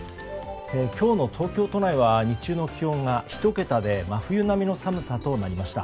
今日の東京都内は日中の気温が１桁で真冬並みの寒さとなりました。